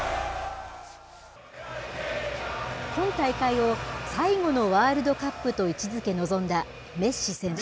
今大会を最後のワールドカップと位置づけ臨んだメッシ選手。